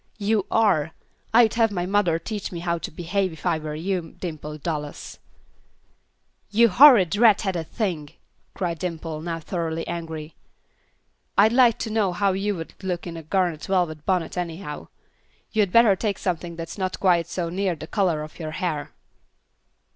"You are. I'd have my mother teach me how to behave, if I were you, Dimple Dallas." "You horrid, red headed thing!" cried Dimple, now thoroughly angry. "I'd like to know how you would look in a garnet velvet bonnet anyhow. You'd better take something that's not quite so near the color of your hair."